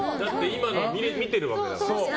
今のを見てるわけだし。